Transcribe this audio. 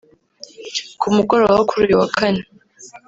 Ku mugoroba wo kuri uyu wa Kane